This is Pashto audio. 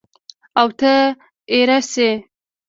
اوته اېره شې!